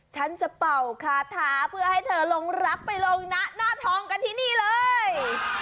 ฉันจะเป่าคาถาเพื่อให้เธอลงรับไปลงนะหน้าทองกันที่นี่เลย